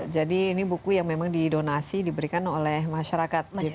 ini buku yang memang didonasi diberikan oleh masyarakat